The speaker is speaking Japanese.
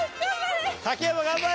竹山頑張れ！